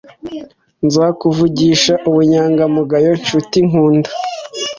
Nzakuvugisha ubunyangamugayo, nshuti nkunda;